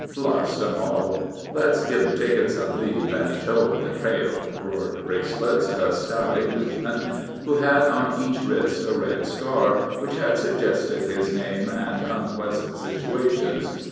"Blarst 'em hall! let's give 'em tickets o' leave, an' show em the trail!" roared Bracelets, a stout Englishman, who had on each wrist a red scar, which had suggested his name and unpleasant situations.